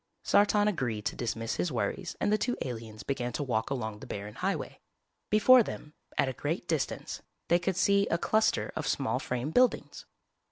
Sartan agreed to dismiss his worries and the two aliens began to walk along the barren highway. Before them, at a great distance, they could see a cluster of small frame buildings.